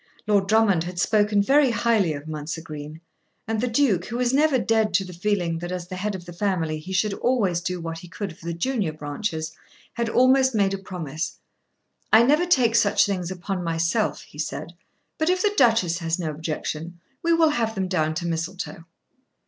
Lord Drummond had spoken very highly of Mounser Green, and the Duke, who was never dead to the feeling that as the head of the family he should always do what he could for the junior branches, had almost made a promise. "I never take such things upon myself," he said, "but if the Duchess has no objection, we will have them down to Mistletoe."